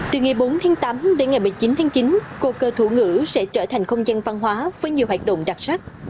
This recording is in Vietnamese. từ ngày bốn tháng tám đến ngày một mươi chín tháng chín cột cờ thủ ngữ sẽ trở thành không gian văn hóa với nhiều hoạt động đặc sắc